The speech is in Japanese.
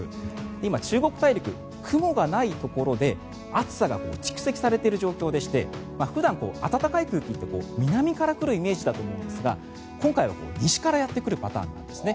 今、中国大陸雲がないところで暑さが蓄積されている状況でして普段、暖かい空気って南から来るイメージだと思うんですが今回は西からやってくるパターンなんですね。